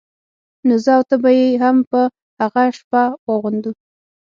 نو زه او ته به يې هم په هغه شپه واغوندو.